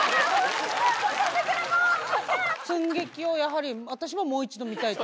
寸劇をやはり私ももう一度見たいと。